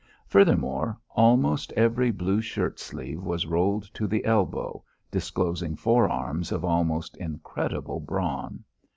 Furthermore, almost every blue shirt sleeve was rolled to the elbow, disclosing fore arms of almost incredible brawn.